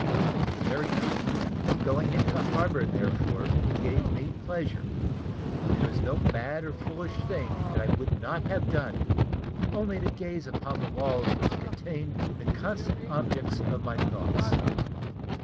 The very idea of going into the harbour, therefore, gave me pleasure, and there was no mad or foolish thing that I would not have done, only to gaze upon the walls which contained the constant objects of my thoughts.